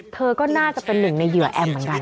เธอก็น่าจะเป็นหนึ่งในเหยื่อแอมเหมือนกัน